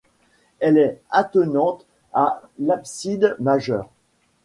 Elle est attenante à l'abside majeure.